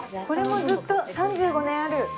これもずっと３５年ある。